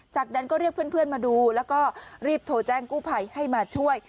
จากนั้นก็เรียกเพื่อนมาดูแล้วก็รีบโทรแจ้งกู้ภัยให้มาช่วย